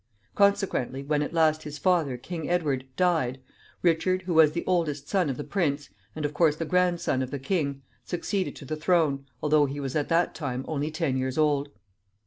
Consequently, when at last his father, King Edward, died, Richard, who was the oldest son of the prince, and, of course, the grandson of the king, succeeded to the throne, although he was at that time only ten years old.